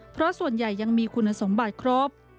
เพราะส่วนใหญ่ยังมีคุณสมบัติครบ